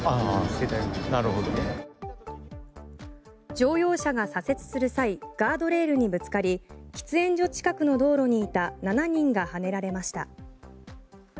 乗用車が左折する際ガードレールにぶつかり喫煙所近くの道路にいた７人がはねられました。